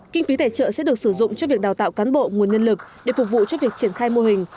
kinh phí tài trợ sẽ được sử dụng cho việc đào tạo cán bộ nguồn nhân lực để phục vụ cho việc triển khai mô hình